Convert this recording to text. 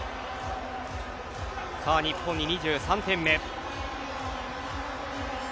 さあ日本に２３点目。